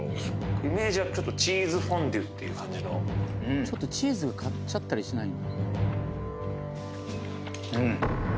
イメージはちょっとチーズフォンデュっていう感じのちょっとチーズが勝っちゃったりしないの？